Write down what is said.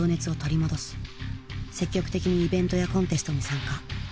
積極的にイベントやコンテストに参加。